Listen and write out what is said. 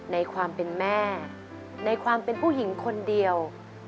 ในความเป็นแม่ในความเป็นผู้หญิงคนเดียว